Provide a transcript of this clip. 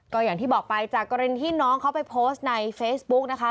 ก็อย่างที่บอกไปจากกรณีที่น้องเขาไปโพสต์ในเฟซบุ๊กนะคะ